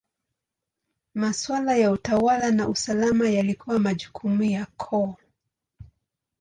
Maswala ya utawala na usalama yalikuwa majukumu ya koo.